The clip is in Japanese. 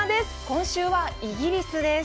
今週はイギリスです。